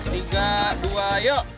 tiga dua yuk